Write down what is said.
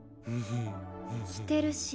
着てるし